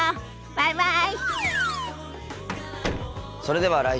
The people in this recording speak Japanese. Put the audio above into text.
バイバイ。